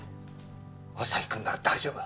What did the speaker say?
アサヒくんなら大丈夫。